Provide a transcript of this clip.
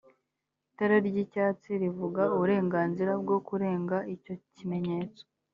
itara ry’icyatsi rivuga uburenganzira bwo kurenga icyo kimenyetso